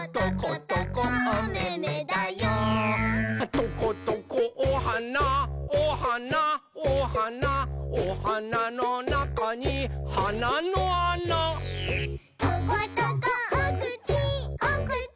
「トコトコおはなおはなおはなおはなのなかにはなのあな」「トコトコおくちおくち